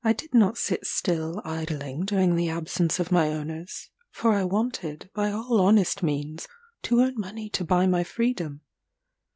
I did not sit still idling during the absence of my owners; for I wanted, by all honest means, to earn money to buy my freedom.